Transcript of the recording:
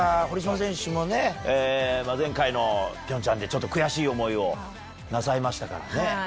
堀島選手もね、前回のピョンチャンでちょっと悔しい思いをなさいましたからね。